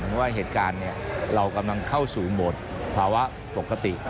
เพราะว่าเหตุการณ์เรากำลังเข้าสู่โหมดภาวะปกติ